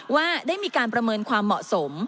ว่าได้มีการประเมินความเหมาะสม